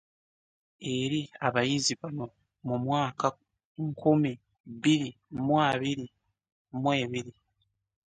Eri abayizi bano mu mwaka nkumi bbiri mu abiri mu ebiri